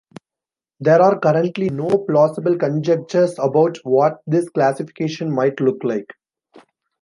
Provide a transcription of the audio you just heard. There are currently no plausible conjectures about what this classification might look like.